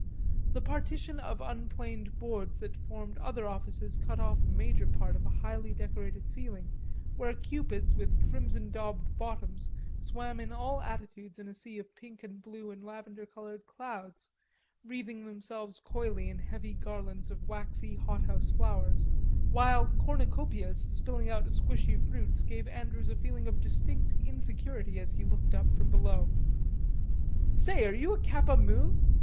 The partition of unplaned boards that formed other offices cut off the major part of a highly decorated ceiling where cupids with crimson daubed bottoms swam in all attitudes in a sea of pink and blue and lavender colored clouds, wreathing themselves coyly in heavy garlands of waxy hothouse flowers, while cornucopias spilling out squashy fruits gave Andrews a feeling of distinct insecurity as he looked up from below. "Say are you a Kappa Mu?"